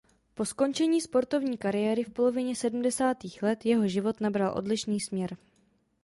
Po skončení sportovní kariéry v polovině sedmdesátých let jeho život nabral odlišný směr.